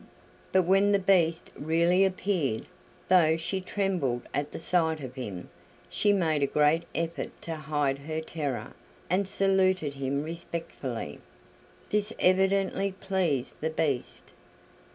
But when the Beast really appeared, though she trembled at the sight of him, she made a great effort to hide her terror, and saluted him respectfully. This evidently pleased the Beast.